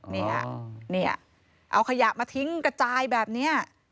เนี่ยเอาขยะมาทิ้งกระจายแบบนี้